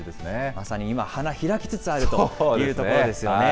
まさに今、花開きつつあるというところですよね。